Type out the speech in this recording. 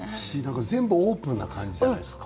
全部、オープンな感じじゃないですか。